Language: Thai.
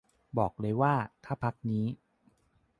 บอกเลยว่า ถ้าพรรคนี้